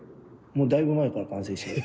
もうだいぶ前から完成してる。